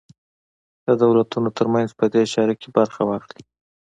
د دولتونو تر څنګ په دې چاره کې برخه واخلي.